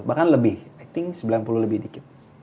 bahkan lebih acting sembilan puluh lebih dikit